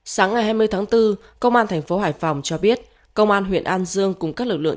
sáng ngày hai mươi tháng bốn công an thành phố hải phòng cho biết công an huyện an dương cùng các lực lượng